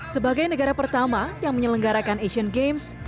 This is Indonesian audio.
sebagai negara pertama yang menyelenggarakan asian games